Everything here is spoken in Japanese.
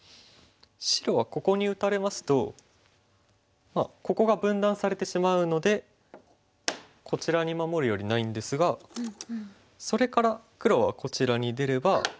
白はここに打たれますとここが分断されてしまうのでこちらに守るよりないんですがそれから黒はこちらに出れば。